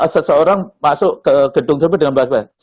seseorang masuk ke gedung sepeda dengan berbahasa bahasa